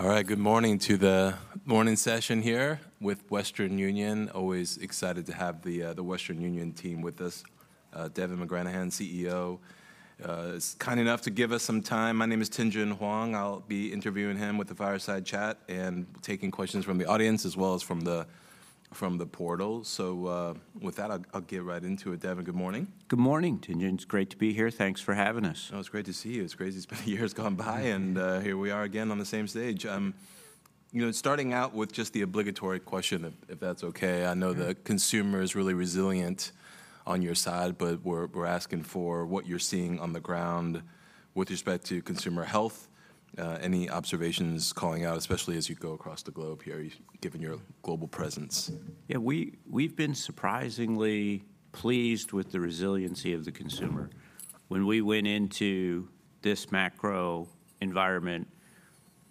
All right, good morning to the morning session here with Western Union. Always excited to have the Western Union team with us. Devin McGranahan, CEO, is kind enough to give us some time. My name is Tien-tsin Huang. I'll be interviewing him with the fireside chat and taking questions from the audience, as well as from the portal. So, with that, I'll get right into it. Devin, good morning. Good morning, Tien-tsin. It's great to be here. Thanks for having us. Oh, it's great to see you. It's crazy, it's been years gone by, and here we are again on the same stage. You know, starting out with just the obligatory question, if that's okay. Yeah. I know the consumer is really resilient on your side, but we're asking for what you're seeing on the ground with respect to consumer health. Any observations calling out, especially as you go across the globe here, given your global presence? Yeah, we've been surprisingly pleased with the resiliency of the consumer. Mm-hmm. When we went into this macro environment,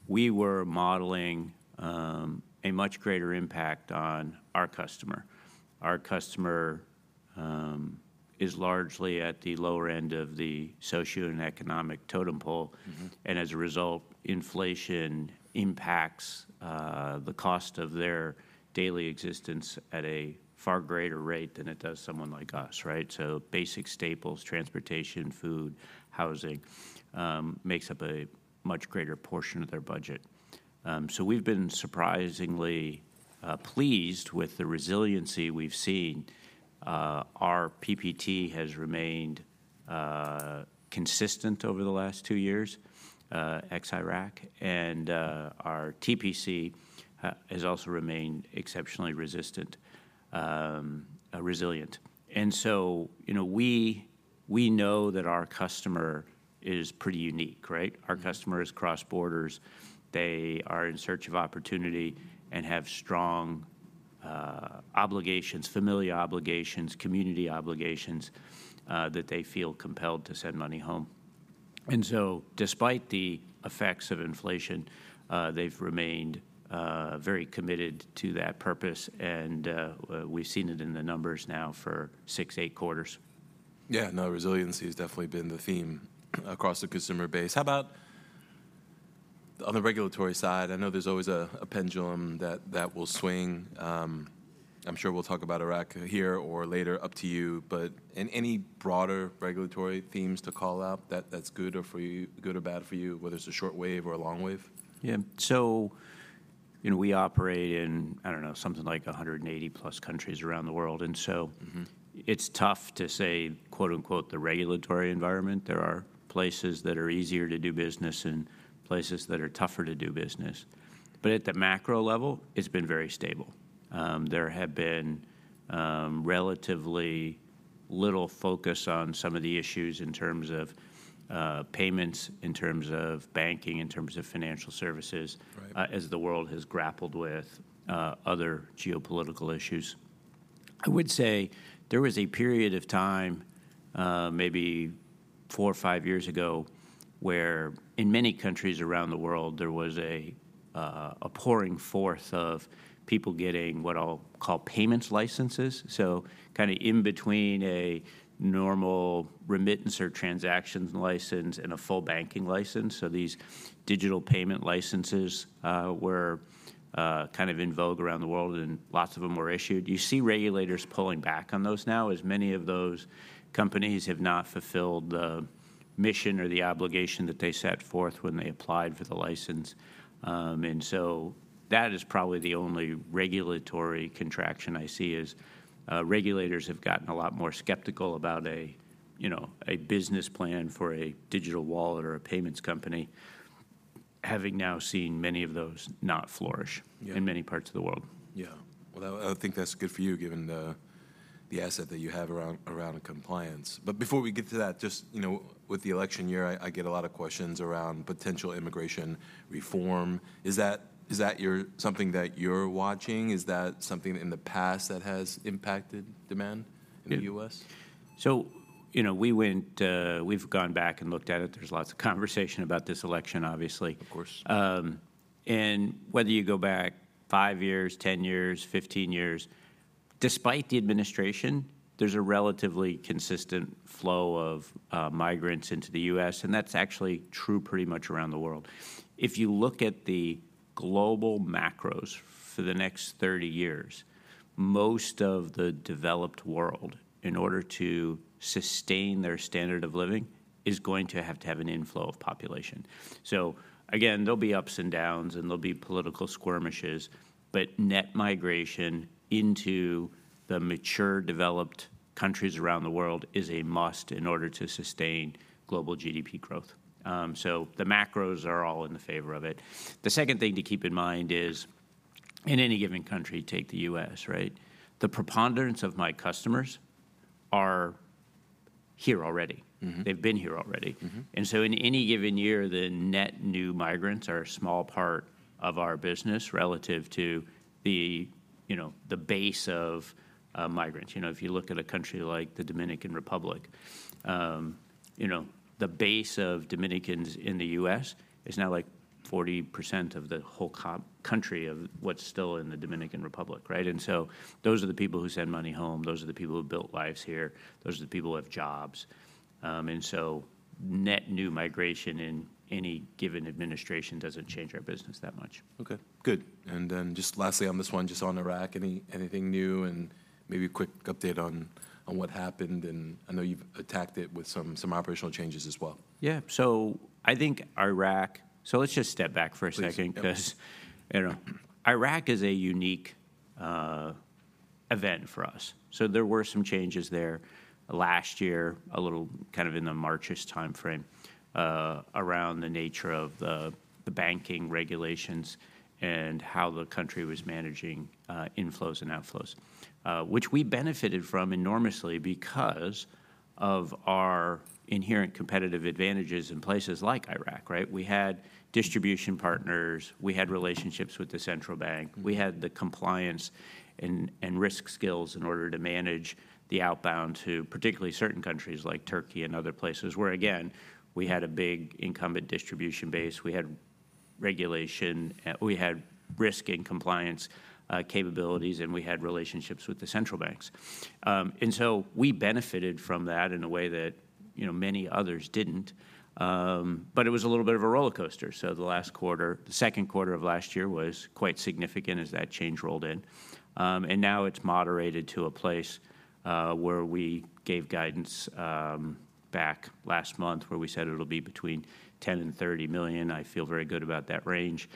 we were modeling a much greater impact on our customer. Our customer is largely at the lower end of the socioeconomic totem pole. Mm-hmm. And as a result, inflation impacts the cost of their daily existence at a far greater rate than it does someone like us, right? So basic staples, transportation, food, housing makes up a much greater portion of their budget. So we've been surprisingly pleased with the resiliency we've seen. Our PPT has remained consistent over the last two years, ex-Iraq, and our TPC has also remained exceptionally resistant, resilient. And so, you know, we know that our customer is pretty unique, right? Mm-hmm. Our customer is cross borders. They are in search of opportunity and have strong obligations, familial obligations, community obligations, that they feel compelled to send money home. And so despite the effects of inflation, they've remained very committed to that purpose, and we've seen it in the numbers now for 6-8 quarters. Yeah, no, resiliency has definitely been the theme across the consumer base. How about on the regulatory side? I know there's always a pendulum that will swing. I'm sure we'll talk about Iraq here or later, up to you, but in any broader regulatory themes to call out, that's good or bad for you, whether it's a short wave or a long wave? Yeah. So, you know, we operate in, I don't know, something like 180+ countries around the world, and so it's tough to say, quote, unquote, "The regulatory environment." There are places that are easier to do business and places that are tougher to do business, but at the macro level, it's been very stable. There have been, relatively little focus on some of the issues in terms of, payments, in terms of banking, in terms of financial services- Right -as the world has grappled with other geopolitical issues. I would say there was a period of time, maybe four or five years ago, where in many countries around the world, there was a pouring forth of people getting what I'll call payments licenses. So kind of in between a normal remittance or transactions license and a full banking license, so these digital payment licenses were kind of in vogue around the world, and lots of them were issued. You see regulators pulling back on those now, as many of those companies have not fulfilled the mission or the obligation that they set forth when they applied for the license. And so that is probably the only regulatory contraction I see. Regulators have gotten a lot more skeptical about a, you know, a business plan for a digital wallet or a payments company, having now seen many of those not flourish. Yeah. In many parts of the world. Yeah. Well, I think that's good for you, given the asset that you have around compliance. But before we get to that, just, you know, with the election year, I get a lot of questions around potential immigration reform. Is that your, something that you're watching? Is that something in the past that has impacted demand in the U.S.? You know, we went, we've gone back and looked at it. There's lots of conversation about this election, obviously. Of course. And whether you go back 5 years, 10 years, 15 years, despite the administration, there's a relatively consistent flow of migrants into the U.S., and that's actually true pretty much around the world. If you look at the global macros for the next 30 years, most of the developed world, in order to sustain their standard of living, is going to have to have an inflow of population. So again, there'll be ups and downs, and there'll be political skirmishes, but net migration into the mature, developed countries around the world is a must in order to sustain global GDP growth. So the macros are all in the favor of it. The second thing to keep in mind is, in any given country, take the U.S., right? The preponderance of my customers are here already. Mm-hmm. They've been here already. Mm-hmm. So in any given year, the net new migrants are a small part of our business, relative to the, you know, the base of migrants. You know, if you look at a country like the Dominican Republic, you know, the base of Dominicans in the U.S. is now, like, 40% of the whole country of what's still in the Dominican Republic, right? And so those are the people who send money home. Those are the people who built lives here. Those are the people who have jobs. And so net new migration in any given administration doesn't change our business that much. Okay, good. And then just lastly on this one, just on Iraq, anything new? And maybe a quick update on what happened, and I know you've attacked it with some operational changes as well. Yeah, so I think. So let's just step back for a second. Please, yeah 'Cause, you know, Iraq is a unique event for us. So there were some changes there last year, a little kind of in the March-ish timeframe, around the nature of the banking regulations and how the country was managing inflows and outflows. Which we benefited from enormously because of our inherent competitive advantages in places like Iraq, right? We had distribution partners, we had relationships with the central bank we had the compliance and risk skills in order to manage the outbound to particularly certain countries like Turkey and other places, where, again, we had a big incumbent distribution base, we had regulation, we had risk and compliance capabilities, and we had relationships with the central banks. And so we benefited from that in a way that, you know, many others didn't. But it was a little bit of a rollercoaster. So the last quarter, the second quarter of last year was quite significant as that change rolled in. And now it's moderated to a place where we gave guidance back last month, where we said it'll be between $10 million-$30 million. I feel very good about that range.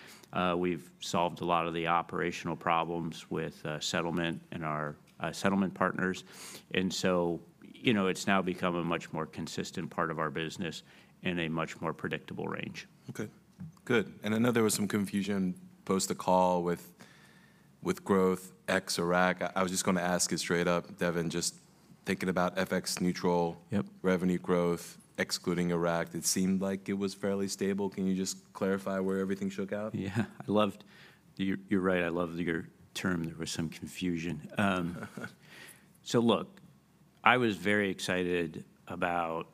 We've solved a lot of the operational problems with settlement and our settlement partners. You know, it's now become a much more consistent part of our business in a much more predictable range. Okay. Good. And I know there was some confusion post the call with growth ex-Iraq. I was just gonna ask it straight up, Devin, just thinking about FX neutral- Yep -revenue growth, excluding Iraq, it seemed like it was fairly stable. Can you just clarify where everything shook out? Yeah, I loved, you're, you're right, I loved your term, there was some confusion. So look, I was very excited about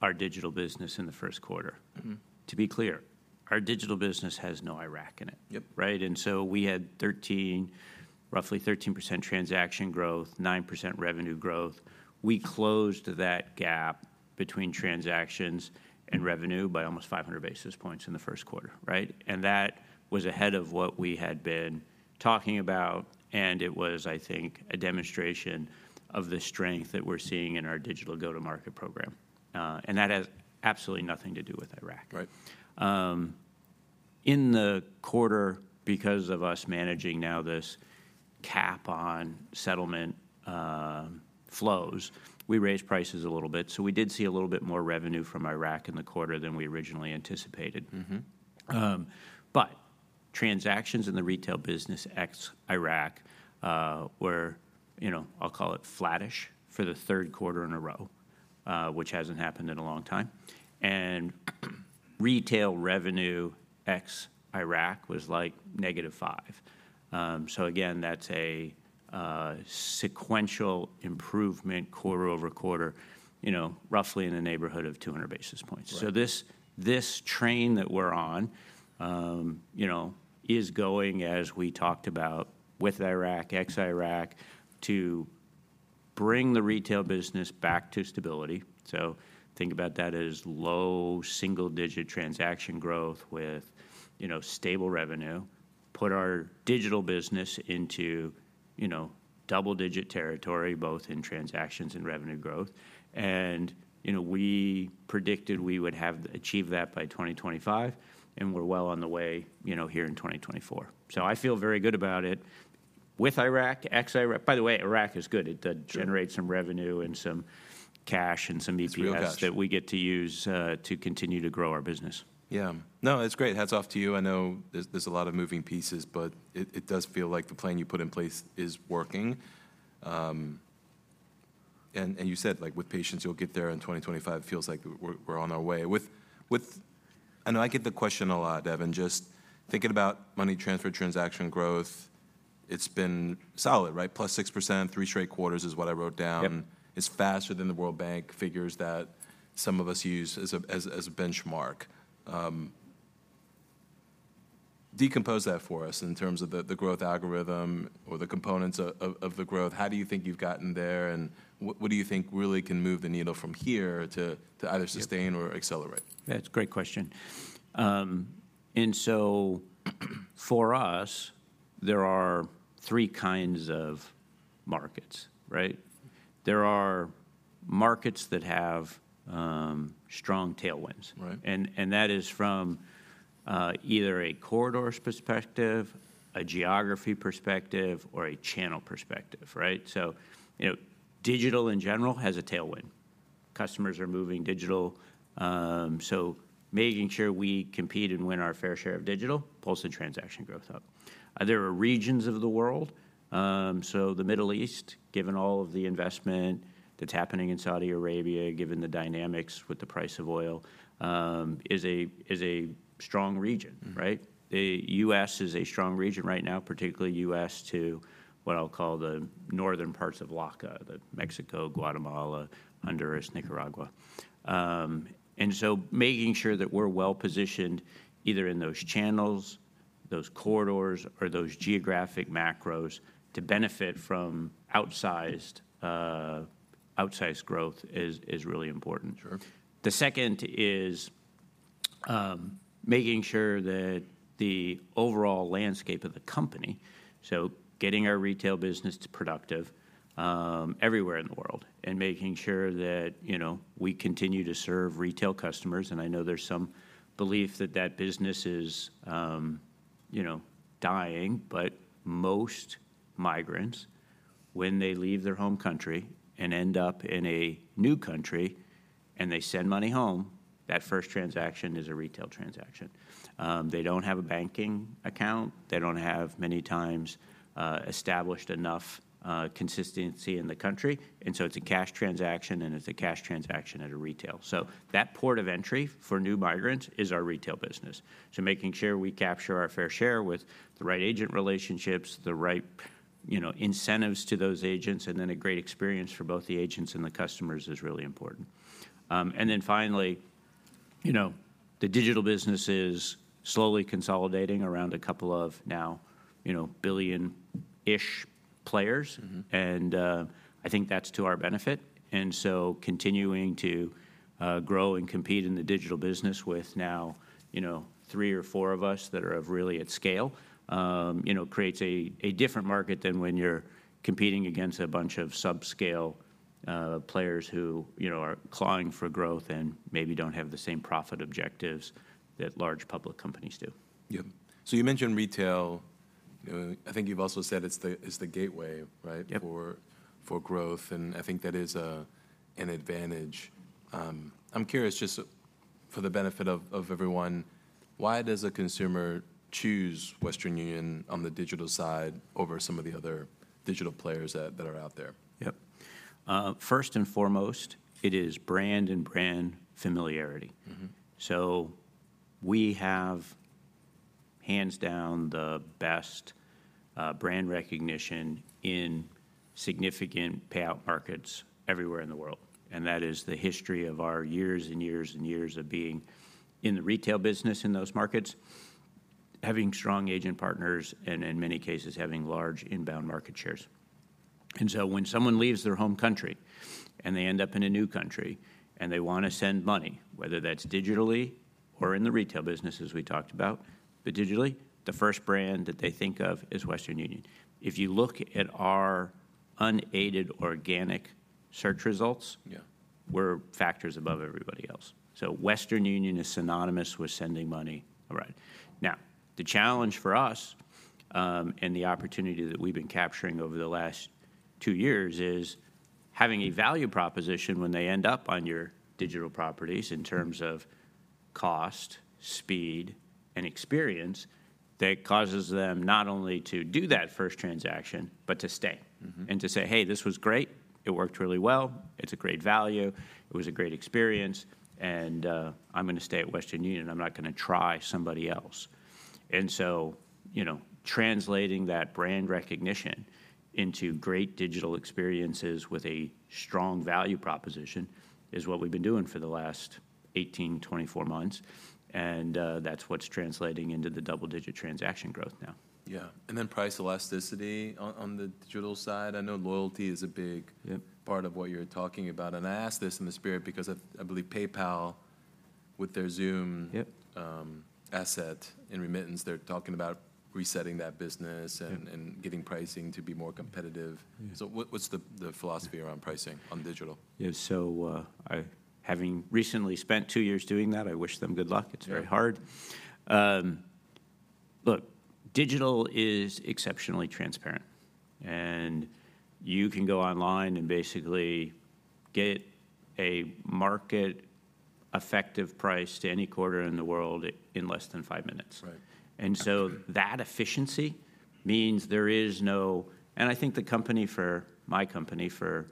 our digital business in the first quarter. Mm-hmm. To be clear, our digital business has no Iraq in it. Yep. Right? And so we had 13, roughly 13% transaction growth, 9% revenue growth. We closed that gap between transactions and revenue by almost 500 basis points in the first quarter, right? And that was ahead of what we had been talking about, and it was, I think, a demonstration of the strength that we're seeing in our digital go-to-market program. And that has absolutely nothing to do with Iraq. Right. In the quarter, because of us managing now this cap on settlement flows, we raised prices a little bit, so we did see a little bit more revenue from Iraq in the quarter than we originally anticipated. Mm-hmm. But transactions in the retail business, ex-Iraq, were, you know, I'll call it flattish for the third quarter in a row, which hasn't happened in a long time. Retail revenue, ex-Iraq, was like -5%. So again, that's a sequential improvement quarter-over-quarter, you know, roughly in the neighborhood of 200 basis points. Right. So this train that we're on, you know, is going, as we talked about, with Iraq, ex-Iraq, to bring the retail business back to stability. So think about that as low double-digit transaction growth with, you know, stable revenue. Put our digital business into, you know, double-digit territory, both in transactions and revenue growth. And, you know, we predicted we would have achieved that by 2025, and we're well on the way, you know, here in 2024. So I feel very good about it. With Iraq, ex-Iraq. By the way, Iraq is good. Sure. It generates some revenue and some cash and some EPS- It's real cash. -that we get to use to continue to grow our business. Yeah. No, it's great. Hats off to you. I know there's a lot of moving pieces, but it does feel like the plan you put in place is working. And you said, like, with patience, you'll get there in 2025. It feels like we're on our way. I know I get the question a lot, Devin, just thinking about money transfer, transaction growth, it's been solid, right? +6%, three straight quarters is what I wrote down. Yep. It's faster than the World Bank figures that some of us use as a benchmark. Decompose that for us in terms of the growth algorithm or the components of the growth. How do you think you've gotten there, and what do you think really can move the needle from here to either sustain or accelerate? That's a great question. And so for us, there are three kinds of markets, right? There are markets that have strong tailwinds. Right. And that is from either a corridors perspective, a geography perspective, or a channel perspective, right? So, you know, digital in general has a tailwind. Customers are moving digital, so making sure we compete and win our fair share of digital pulls the transaction growth up. There are regions of the world, so the Middle East, given all of the investment that's happening in Saudi Arabia, given the dynamics with the price of oil, is a strong region, right? The U.S. is a strong region right now, particularly U.S. to what I'll call the northern parts of LACA, the Mexico, Guatemala, Honduras, Nicaragua. And so making sure that we're well-positioned either in those corridors or those geographic macros to benefit from outsized growth is really important. Sure. The second is, making sure that the overall landscape of the company, so getting our retail business to productive, everywhere in the world, and making sure that, you know, we continue to serve retail customers. And I know there's some belief that that business is, you know, dying. But most migrants, when they leave their home country and end up in a new country, and they send money home, that first transaction is a retail transaction. They don't have a banking account. They don't have, many times, established enough, consistency in the country, and so it's a cash transaction, and it's a cash transaction at a retail. So that port of entry for new migrants is our retail business. So making sure we capture our fair share with the right agent relationships, the right, you know, incentives to those agents, and then a great experience for both the agents and the customers is really important. And then finally, you know, the digital business is slowly consolidating around a couple of now, you know, billion-ish players. Mm-hmm. I think that's to our benefit, and so continuing to grow and compete in the digital business with now, you know, three or four of us that are of really at scale, you know, creates a different market than when you're competing against a bunch of subscale players who, you know, are clawing for growth and maybe don't have the same profit objectives that large public companies do. Yeah. So you mentioned retail. I think you've also said it's the gateway, right? Yep For growth, and I think that is an advantage. I'm curious, just for the benefit of everyone, why does a consumer choose Western Union on the digital side over some of the other digital players that are out there? Yep. First and foremost, it is brand and brand familiarity. Mm-hmm. So we have, hands down, the best brand recognition in significant payout markets everywhere in the world, and that is the history of our years and years and years of being in the retail business in those markets, having strong agent partners, and in many cases, having large inbound market shares. And so when someone leaves their home country, and they end up in a new country, and they want to send money, whether that's digitally or in the retail business, as we talked about, but digitally, the first brand that they think of is Western Union. If you look at our unaided organic search results- Yeah -we're factors above everybody else. So Western Union is synonymous with sending money. Right. Now, the challenge for us, and the opportunity that we've been capturing over the last two years, is having a value proposition when they end up on your digital properties in terms of cost, speed, and experience, that causes them not only to do that first transaction, but to stay. Mm-hmm. And to say, "Hey, this was great. It worked really well. It's a great value. It was a great experience, and I'm gonna stay at Western Union. I'm not gonna try somebody else." And so, you know, translating that brand recognition into great digital experiences with a strong value proposition is what we've been doing for the last 18, 24 months, and that's what's translating into the double-digit transaction growth now. Yeah, and then price elasticity on the digital side, I know loyalty is a big- Yep -part of what you're talking about. And I ask this in the spirit because I believe PayPal, with their Xoom- Yep -asset in remittance, they're talking about resetting that business and getting pricing to be more competitive. Yeah. So, what's the philosophy around pricing on digital? Yeah, so, I, having recently spent two years doing that, I wish them good luck. Yeah. It's very hard. Look, digital is exceptionally transparent, and you can go online and basically get a market effective price to any quarter in the world in less than five minutes. Right. And so that efficiency means there is no, and I think the company, my company for,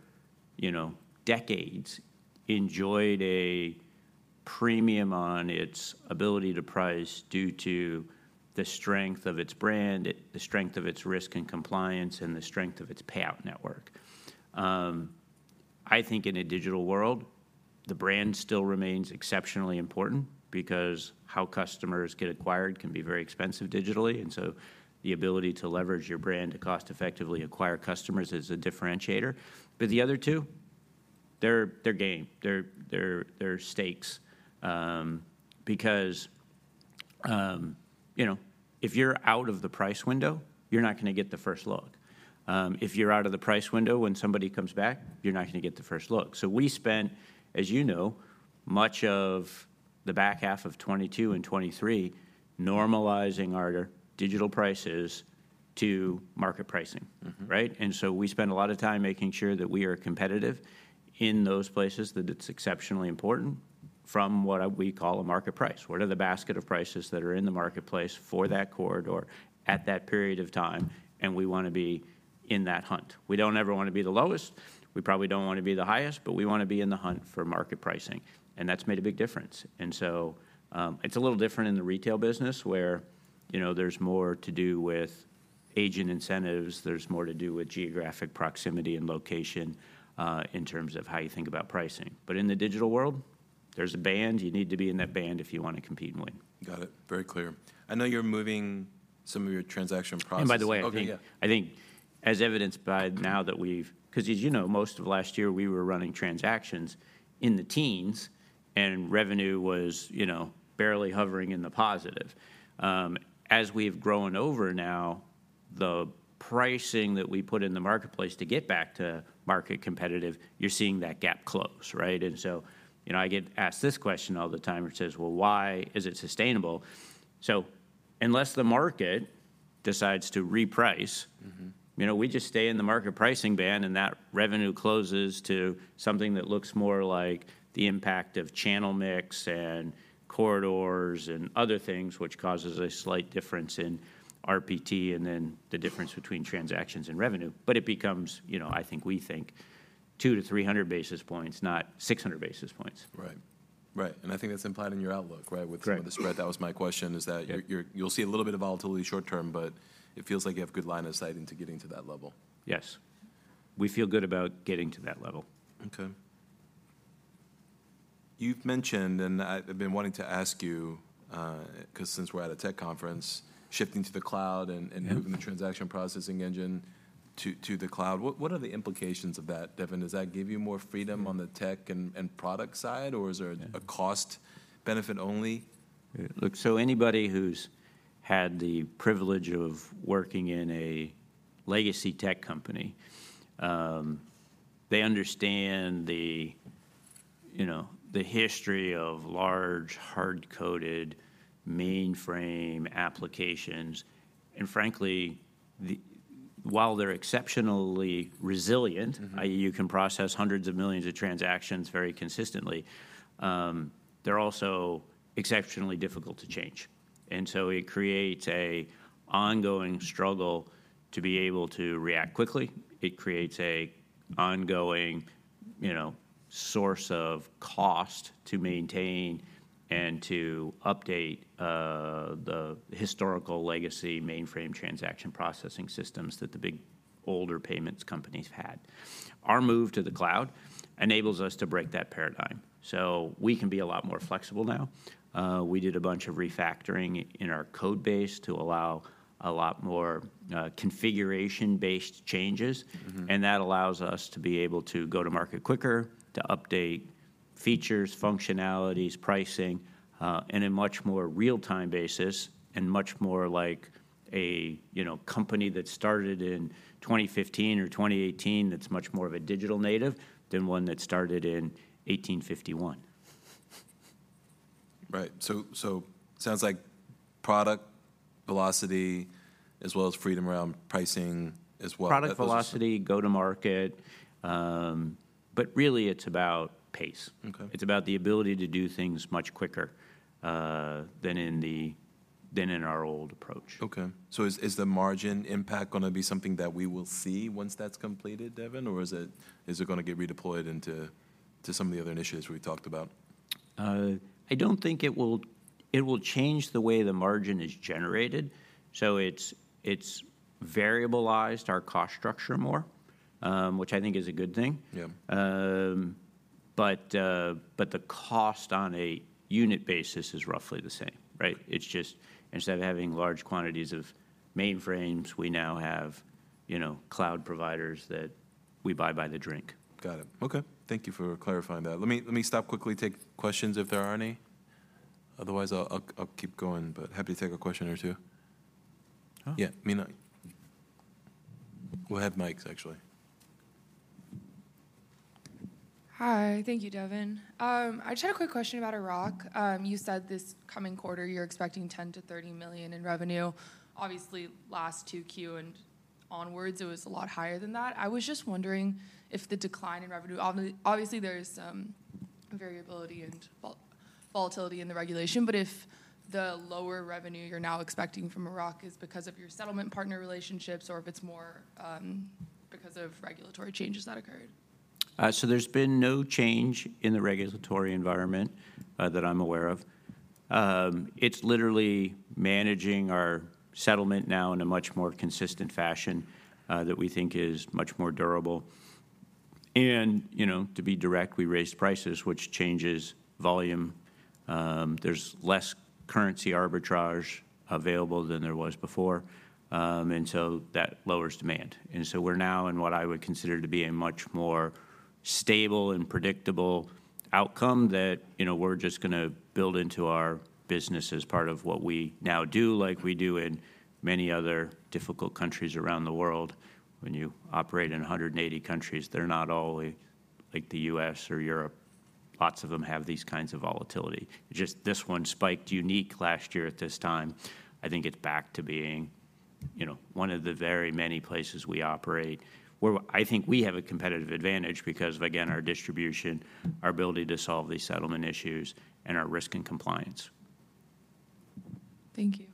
you know, decades, enjoyed a premium on its ability to price due to the strength of its brand, the strength of its risk and compliance, and the strength of its payout network. I think in a digital world, the brand still remains exceptionally important because how customers get acquired can be very expensive digitally, and so the ability to leverage your brand to cost-effectively acquire customers is a differentiator. But the other two, they're game stakes. Because, you know, if you're out of the price window, you're not gonna get the first look. If you're out of the price window when somebody comes back, you're not gonna get the first look. So we spent, as you know, much of the back half of 2022 and 2023 normalizing our digital prices to market pricing. Mm-hmm. Right? And so we spent a lot of time making sure that we are competitive in those places, that it's exceptionally important from what we call a market price. What are the basket of prices that are in the marketplace for that corridor at that period of time? And we wanna be in that hunt. We don't ever want to be the lowest, we probably don't want to be the highest, but we want to be in the hunt for market pricing, and that's made a big difference. And so, it's a little different in the retail business, where, you know, there's more to do with agent incentives, there's more to do with geographic proximity and location, in terms of how you think about pricing. But in the digital world, there's a band, you need to be in that band if you want to compete and win. Got it. Very clear. I know you're moving some of your transaction process- And by the way, I think- Okay, yeah I think as evidenced by now that we've, 'cause as you know, most of last year we were running transactions in the teens, and revenue was, you know, barely hovering in the positive. As we've grown over now, the pricing that we put in the marketplace to get back to market competitive, you're seeing that gap close, right? And so, you know, I get asked this question all the time, which says: "Well, why is it sustainable?" So unless the market decides to reprice you know, we just stay in the market pricing band, and that revenue closes to something that looks more like the impact of channel mix and corridors and other things, which causes a slight difference in RPT, and then the difference between transactions and revenue. But it becomes, you know, I think, we think, 200-300 basis points, not 600 basis points. Right. Right, and I think that's implied in your outlook, right? Right. With some of the spread. That was my question, is that you're, you'll see a little bit of volatility short term, but it feels like you have good line of sight into getting to that level. Yes. We feel good about getting to that level. Okay. You've mentioned, and I've been wanting to ask you, 'cause since we're at a tech conference, shifting to the cloud and, and moving the transaction processing engine to the cloud, what are the implications of that, Devin? Does that give you more freedom on the tech and product side, or is there a cost benefit only? Look, so anybody who's had the privilege of working in a legacy tech company, they understand the, you know, the history of large, hard-coded mainframe applications. And frankly, while they're exceptionally resilient you can process hundreds of millions of transactions very consistently, they're also exceptionally difficult to change. And so it creates an ongoing struggle to be able to react quickly. It creates an ongoing, you know, source of cost to maintain and to update the historical legacy mainframe transaction processing systems that the big older payments companies had. Our move to the cloud enables us to break that paradigm, so we can be a lot more flexible now. We did a bunch of refactoring in our code base to allow a lot more configuration-based changes. Mm-hmm. That allows us to be able to go to market quicker, to update features, functionalities, pricing, in a much more real-time basis, and much more like a, you know, company that started in 2015 or 2018 that's much more of a digital native than one that started in 1851. Right. So sounds like product velocity, as well as freedom around pricing as well. Product velocity, go to market, but really it's about pace. Okay. It's about the ability to do things much quicker than in our old approach. Okay. So is the margin impact gonna be something that we will see once that's completed, Devin, or is it gonna get redeployed into some of the other initiatives we talked about? I don't think it will change the way the margin is generated, so it's variabilized our cost structure more, which I think is a good thing. Yeah. But the cost on a unit basis is roughly the same, right? It's just instead of having large quantities of mainframes, we now have, you know, cloud providers that we buy by the drink. Got it. Okay, thank you for clarifying that. Let me, let me stop quickly, take questions if there are any. Otherwise, I'll, I'll, I'll keep going, but happy to take a question or two. Sure. Yeah, Meena. We'll have mics, actually. Hi. Thank you, Devin. I just had a quick question about Iraq. You said this coming quarter, you're expecting $10 million-$30 million in revenue. Obviously, last two Q and onwards, it was a lot higher than that. I was just wondering if the decline in revenue, obviously, there's some variability and volatility in the regulation, but if the lower revenue you're now expecting from Iraq is because of your settlement partner relationships, or if it's more because of regulatory changes that occurred? So there's been no change in the regulatory environment, that I'm aware of. It's literally managing our settlement now in a much more consistent fashion, that we think is much more durable. And, you know, to be direct, we raised prices, which changes volume. There's less currency arbitrage available than there was before, and so that lowers demand. And so we're now in what I would consider to be a much more stable and predictable outcome that, you know, we're just gonna build into our business as part of what we now do, like we do in many other difficult countries around the world. When you operate in 180 countries, they're not all like the U.S. or Europe. Lots of them have these kinds of volatility. Just this one spiked unique last year at this time. I think it's back to being, you know, one of the very many places we operate, where I think we have a competitive advantage because of, again, our distribution, our ability to solve these settlement issues, and our risk and compliance. Thank you.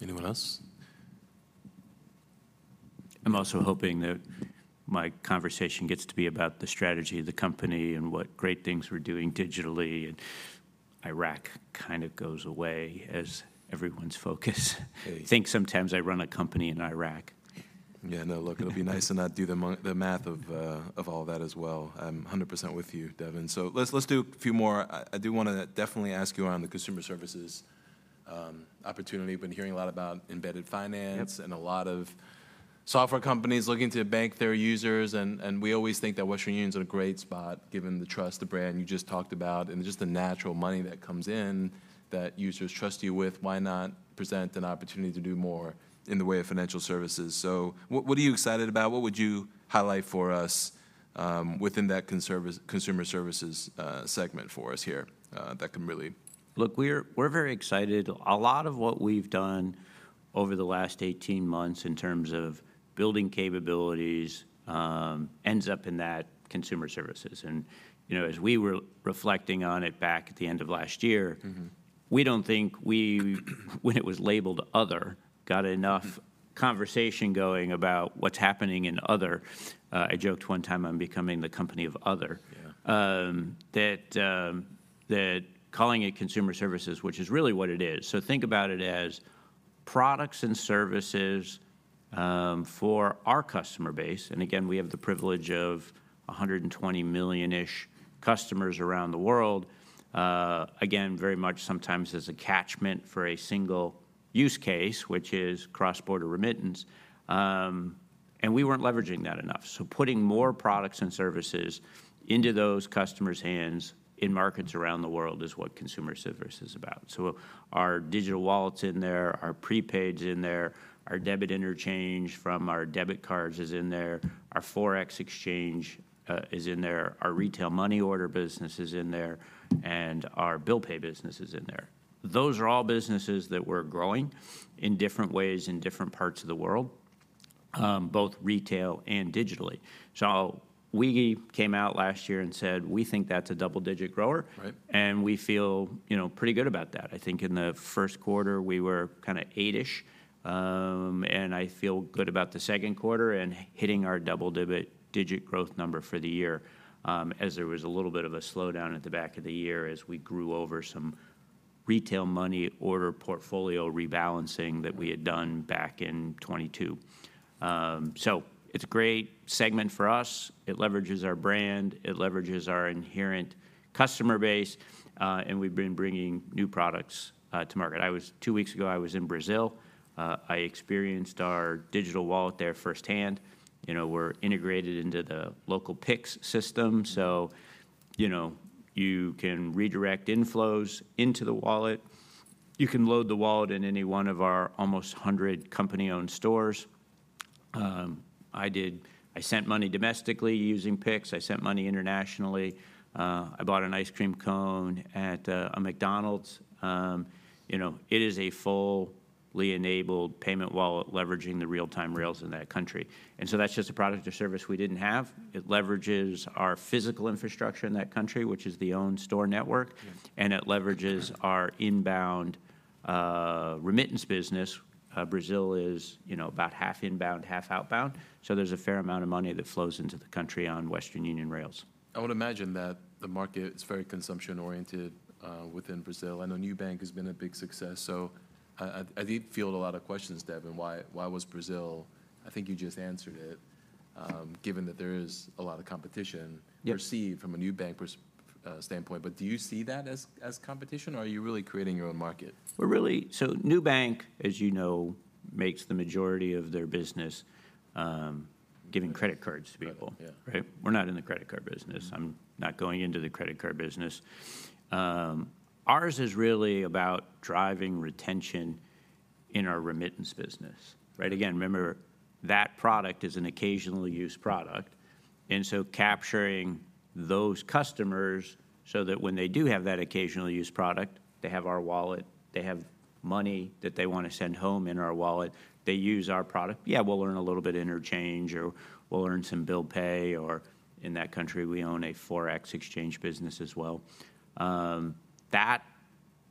Anyone else? I'm also hoping that my conversation gets to be about the strategy of the company and what great things we're doing digitally, and Iraq kind of goes away as everyone's focus. Hey. You'd think sometimes I run a company in Iraq. Yeah, no, look, it'll be nice to not do the math of all that as well. I'm 100% with you, Devin. So let's do a few more. I do wanna definitely ask you around the Consumer Services opportunity. Been hearing a lot about embedded finance and a lot of software companies looking to bank their users, and we always think that Western Union's in a great spot, given the trust, the brand you just talked about, and just the natural money that comes in that users trust you with. Why not present an opportunity to do more in the way of financial services? So what are you excited about? What would you highlight for us within that Consumer Services segment for us here that can really- Look, we're very excited. A lot of what we've done over the last 18 months in terms of building capabilities, ends up in that Consumer Services. And, you know, as we were reflecting on it back at the end of last year we don't think we, when it was labeled other, got enough conversation going about what's happening in other. I joked one time, I'm becoming the company of other. Yeah. That calling it Consumer Services, which is really what it is, so think about it as products and services for our customer base, and again, we have the privilege of 120 million-ish customers around the world. Again, very much sometimes as a catchment for a single-use case, which is cross-border remittance. And we weren't leveraging that enough. So putting more products and services into those customers' hands in markets around the world is what Consumer Services is about. So our digital wallets in there, our prepaids in there, our debit interchange from our debit cards is in there, our forex exchange is in there, our retail money order business is in there, and our bill pay business is in there. Those are all businesses that we're growing in different ways in different parts of the world, both retail and digitally. We came out last year and said, "We think that's a double-digit grower. Right. We feel, you know, pretty good about that. I think in the first quarter we were kinda 8-ish, and I feel good about the second quarter and hitting our double-digit growth number for the year, as there was a little bit of a slowdown at the back of the year as we grew over some retail money order portfolio rebalancing that we had done back in 2022. So it's a great segment for us. It leverages our brand, it leverages our inherent customer base, and we've been bringing new products to market. Two weeks ago, I was in Brazil. I experienced our digital wallet there firsthand. You know, we're integrated into the local Pix system, so, you know, you can redirect inflows into the wallet. You can load the wallet in any one of our almost 100 company-owned stores. I did. I sent money domestically using Pix. I sent money internationally. I bought an ice cream cone at a McDonald's. You know, it is a fully enabled payment wallet leveraging the real-time rails in that country, and so that's just a product or service we didn't have. It leverages our physical infrastructure in that country, which is the owned store network. Yeah And it leverages our inbound remittance business. Brazil is, you know, about half inbound, half outbound, so there's a fair amount of money that flows into the country on Western Union rails. I would imagine that the market is very consumption-oriented within Brazil. I know Nubank has been a big success, so I did field a lot of questions, Devin, why was Brazil? I think you just answered it given that there is a lot of competition perceived from a Nubank standpoint, but do you see that as, as competition, or are you really creating your own market? So Nubank, as you know, makes the majority of their business giving credit cards to people. Right. Yeah. Right? We're not in the credit card business. I'm not going into the credit card business. Ours is really about driving retention in our remittance business, right? Again, remember, that product is an occasionally used product, and so capturing those customers so that when they do have that occasionally used product, they have our wallet, they have money that they wanna send home in our wallet. They use our product. Yeah, we'll earn a little bit interchange, or we'll earn some bill pay, or in that country, we own a forex exchange business as well. That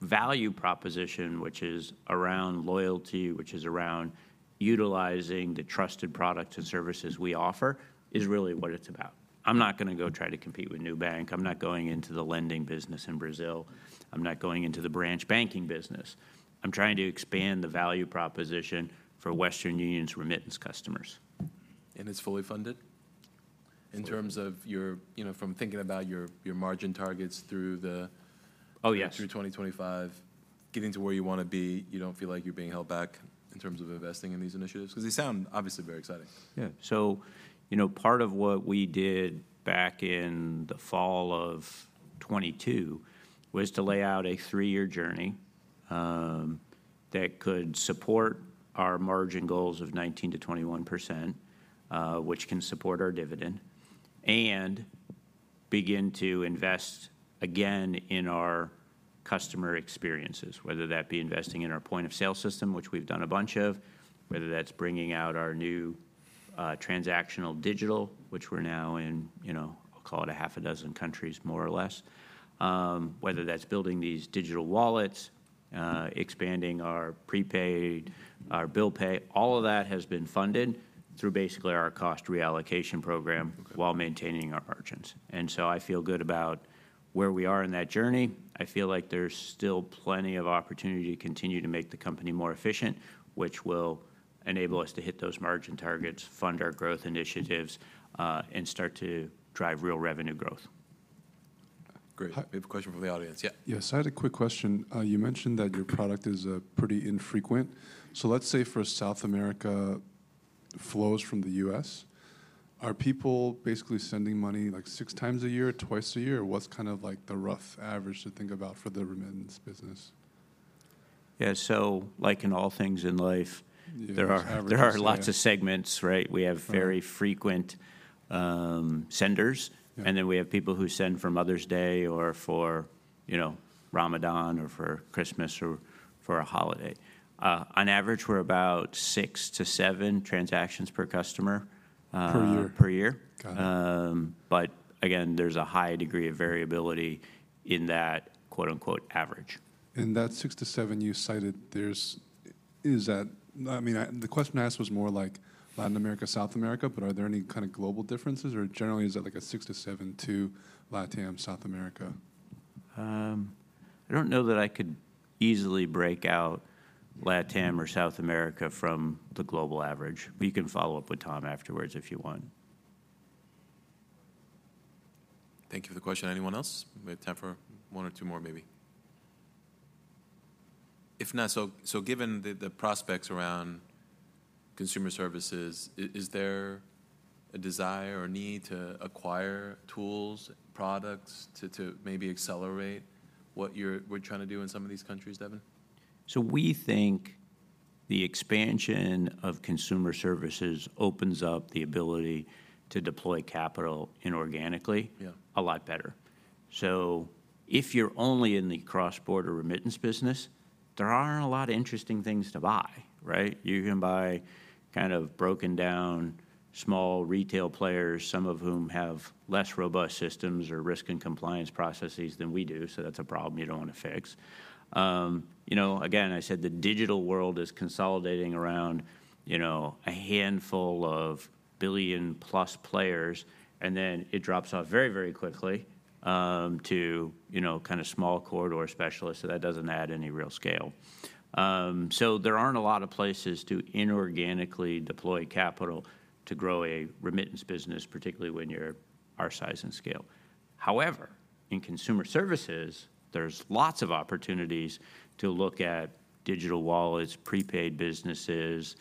value proposition, which is around loyalty, which is around utilizing the trusted products and services we offer, is really what it's about. I'm not gonna go try to compete with Nubank. I'm not going into the lending business in Brazil. I'm not going into the branch banking business. I'm trying to expand the value proposition for Western Union's remittance customers. It's fully funded? Fully. In terms of your, you know, from thinking about your margin targets- Oh, yes -through 2025, getting to where you wanna be, you don't feel like you're being held back in terms of investing in these initiatives? 'Cause they sound obviously very exciting. Yeah. So, you know, part of what we did back in the fall of 2022 was to lay out a three-year journey, that could support our margin goals of 19%-21%, which can support our dividend, and begin to invest again in our customer experiences, whether that be investing in our point-of-sale system, which we've done a bunch of, whether that's bringing out our new, transactional digital, which we're now in, you know, I'll call it a half a dozen countries, more or less, whether that's building these digital wallets, expanding our prepaid, our bill pay, all of that has been funded through basically our cost reallocation program- Okay. while maintaining our margins. So I feel good about where we are in that journey. I feel like there's still plenty of opportunity to continue to make the company more efficient, which will enable us to hit those margin targets, fund our growth initiatives, and start to drive real revenue growth. Great. Hi- We have a question from the audience. Yeah? Yes, I had a quick question. You mentioned that your product is pretty infrequent. So let's say for South America, flows from the U.S., are people basically sending money, like, six times a year or twice a year? What's kind of, like, the rough average to think about for the remittance business? Yeah, so, like, in all things in life- Yeah, average, yeah. -there are lots of segments, right? We have very frequent senders and then we have people who send for Mother's Day or for, you know, Ramadan or for Christmas or for a holiday. On average, we're about six to seven transactions per customer, Per year? Per year. Got it. But again, there's a high degree of variability in that, quote-unquote, "average. And that six to seven you cited, is that, I mean, the question I asked was more like Latin America, South America, but are there any kind of global differences, or generally, is it, like, a six to seven to LatAm, South America? I don't know that I could easily break out LatAm or South America from the global average, but you can follow up with Tom afterwards if you want. Thank you for the question. Anyone else? We have time for one or two more maybe. If not, so given the prospects around Consumer Services, is there a desire or need to acquire tools, products to maybe accelerate what we're trying to do in some of these countries, Devin? So we think the expansion of Consumer Services opens up the ability to deploy capital inorganically a lot better. So if you're only in the cross-border remittance business, there aren't a lot of interesting things to buy, right? You can buy kind of broken-down, small retail players, some of whom have less robust systems or risk and compliance processes than we do, so that's a problem you don't want to fix. You know, again, I said the digital world is consolidating around, you know, a handful of billion-plus players, and then it drops off very, very quickly, to, you know, kind of small corridor specialists, so that doesn't add any real scale. So there aren't a lot of places to inorganically deploy capital to grow a remittance business, particularly when you're our size and scale. However, in Consumer Services, there's lots of opportunities to look at digital wallets, prepaid businesses,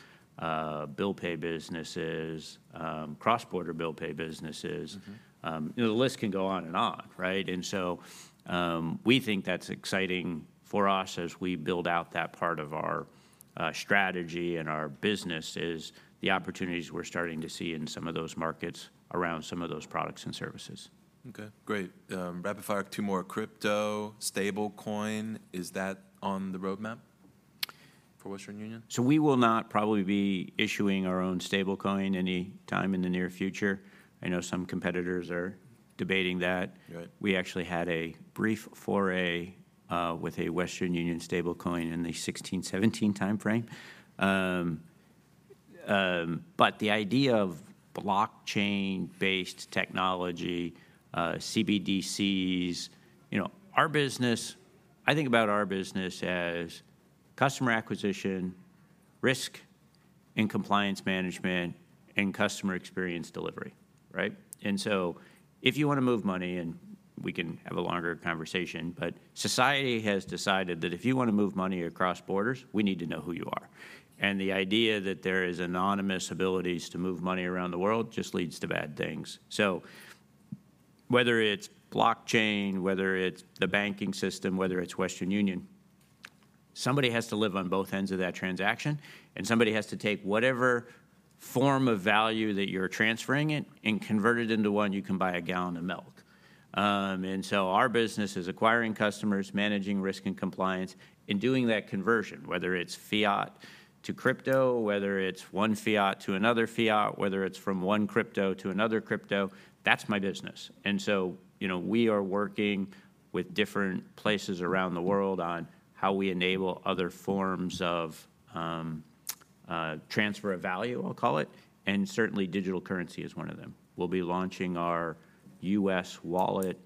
bill pay businesses, cross-border bill pay businesses. Mm-hmm. You know, the list can go on and on, right? And so, we think that's exciting for us as we build out that part of our, strategy and our business, is the opportunities we're starting to see in some of those markets around some of those products and services. Okay, great. Rapid fire, two more. Crypto, stablecoin, is that on the roadmap for Western Union? We will not probably be issuing our own stablecoin any time in the near future. I know some competitors are debating that. Right. We actually had a brief foray with a Western Union stablecoin in the 2016, 2017 timeframe. But the idea of blockchain-based technology, CBDCs, you know, our business, I think about our business as customer acquisition, risk and compliance management, and customer experience delivery, right? And so if you want to move money, and we can have a longer conversation, but society has decided that if you want to move money across borders, we need to know who you are. And the idea that there is anonymous abilities to move money around the world just leads to bad things. So whether it's blockchain, whether it's the banking system, whether it's Western Union, somebody has to live on both ends of that transaction, and somebody has to take whatever form of value that you're transferring it and convert it into one you can buy a gallon of milk. And so our business is acquiring customers, managing risk and compliance, and doing that conversion, whether it's fiat to crypto, whether it's one fiat to another fiat, whether it's from one crypto to another crypto, that's my business. And so, you know, we are working with different places around the world on how we enable other forms of transfer of value, I'll call it, and certainly, digital currency is one of them. We'll be launching our U.S. wallet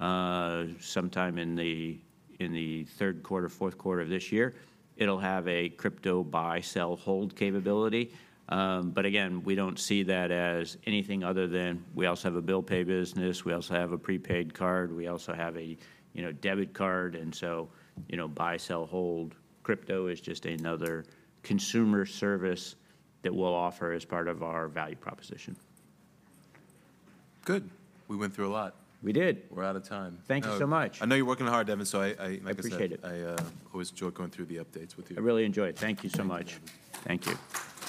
sometime in the third quarter, fourth quarter of this year. It'll have a crypto buy, sell, hold capability. But again, we don't see that as anything other than we also have a bill pay business, we also have a prepaid card, we also have a, you know, debit card, and so, you know, buy, sell, hold crypto is just another Consumer Service that we'll offer as part of our value proposition. Good. We went through a lot. We did. We're out of time. Thank you so much. I know you're working hard, Devin, so I like I said- I appreciate it. I always enjoy going through the updates with you. I really enjoy it. Thank you so much. Thank you.